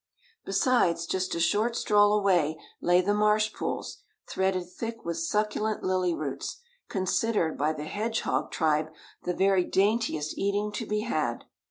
Besides, just a short stroll away lay the marsh pools, threaded thick with succulent lily roots, considered, by the hedgehog tribe, the very daintiest eating to be had.